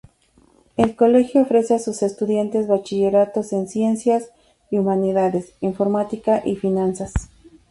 El colegio ofrece a sus estudiantes bachilleratos en ciencias y humanidades, informática y finanzas.